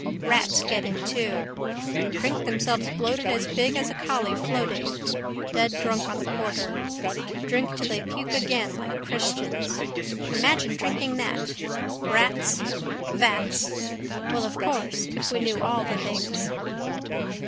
Rats get in too. Drink themselves bloated as big as a collie floating. Dead drunk on the porter. Drink till they puke again like christians. Imagine drinking that! Rats: vats. Well, of course, if we knew all the things.